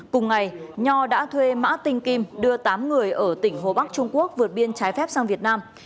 cùng ngày nho đã thuê mã tinh kim đưa tám người ở tỉnh hồ bắc trung quốc vượt biên trái phép sang việt nam